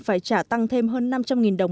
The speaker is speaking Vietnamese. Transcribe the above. phải trả tăng thêm hơn năm trăm linh đồng